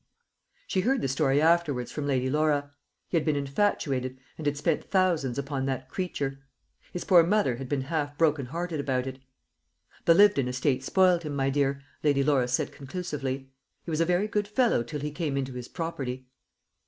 She heard the story afterwards from Lady Laura. He had been infatuated, and had spent thousands upon "that creature." His poor mother had been half broken hearted about it. "The Lyvedon estate spoiled him, my dear," Lady Laura said conclusively. "He was a very good fellow till he came into his property."